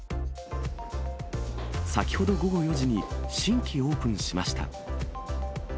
先ほど午後４時に、新規オープンしました。